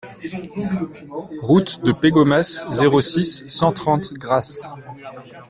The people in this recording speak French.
Route de Pégomas, zéro six, cent trente Grasse